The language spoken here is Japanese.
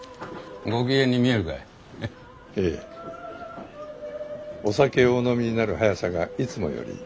お酒をお飲みになる速さがいつもより。